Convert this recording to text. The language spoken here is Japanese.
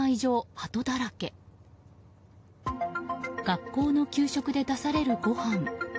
学校の給食で出されるごはん。